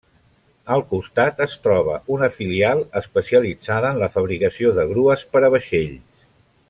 Al costat es troba una filial especialitzada en la fabricació de grues per a vaixells.